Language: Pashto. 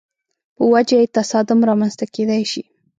په وجه یې تصادم رامنځته کېدای شي.